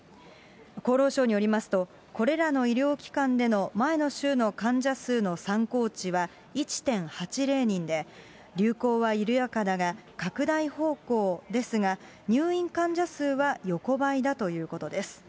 厚労省によりますと、これらの医療機関での前の週の患者数の参考値は１．８０人で、流行は緩やかだが拡大方向ですが、入院患者数は横ばいだということです。